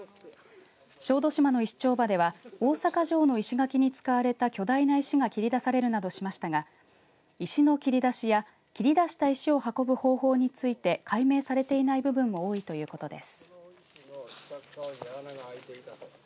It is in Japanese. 小豆島の石丁場では大坂城の石垣に使われた巨大な石が切り出されるなどしましたが石の切り出しや切り出した石を運ぶ方法について解明されていない部分も多いということです。